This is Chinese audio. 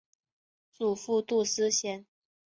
祖父杜思贤。